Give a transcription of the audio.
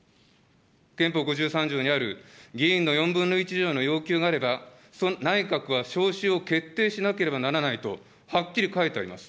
憲法５３条にある、議員の４分の１以上の要求があれば、内閣は召集を決定しなければならないとはっきり書いてあります。